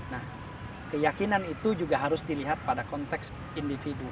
nah keyakinan itu juga harus dilihat pada konteks individu